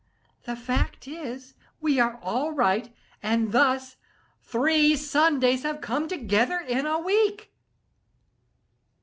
The fact is, we are all right, and thus three Sundays have come together in a week."